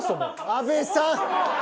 安部さん！